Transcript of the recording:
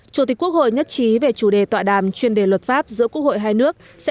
chủ tịch quốc hội nhất trí về chủ đề tọa đàm chuyên đề luật pháp giữa quốc hội hai nước